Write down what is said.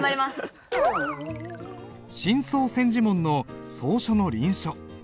「真草千字文」の草書の臨書。